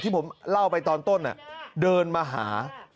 ที่ผมเล่าไปตอนต้นน่ะเดินมาหา